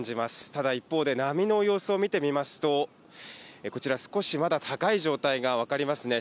ただ一方で、波の様子を見てみますと、こちら、少しまだ高い状態が分かりますね。